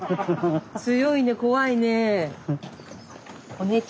強いね怖いね。